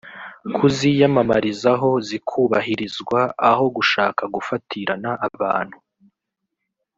kuziyamamarizaho zikubahirizwa aho gushaka gufatirana abantu